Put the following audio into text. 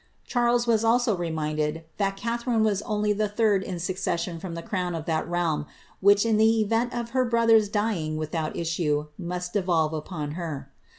Charles was also reminded tliat Catharine was only the third in racoes sion from the crown of that realm, which, in the event of her brother's dying without issue, must devolve upon her.